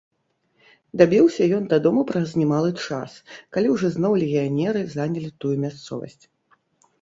Дабіўся ён дадому праз немалы час, калі ўжо зноў легіянеры занялі тую мясцовасць.